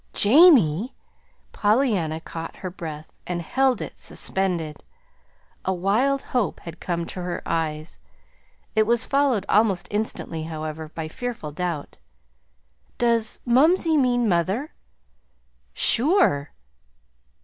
'" "'JAMIE!'" Pollyanna caught her breath and held it suspended. A wild hope had come to her eyes. It was followed almost instantly, however, by fearful doubt. "Does 'mumsey' mean mother?" "Sure!"